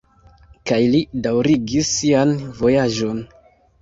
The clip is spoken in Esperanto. Kaj li daŭrigis sian vojaĝon.